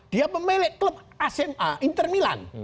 dia pemilik klub asma inter milan